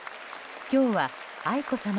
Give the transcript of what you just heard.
今日は、愛子さま